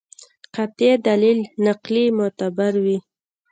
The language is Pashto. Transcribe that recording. قاطع دلیل نقلي معتبر وي.